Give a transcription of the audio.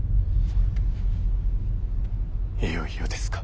いよいよですか。